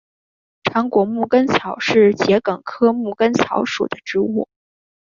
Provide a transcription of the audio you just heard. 长果牧根草是桔梗科牧根草属的植物。